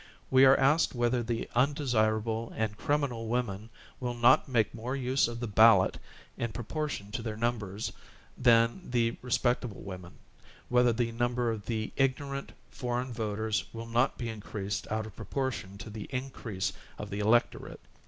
We are asked whether the undesirable and criminal women will not make more use of the ballot in proportion to their numbers than the respectable women, whether the number of the ignorant foreign voters will not be increased out of proportion to the in crease of the electorate.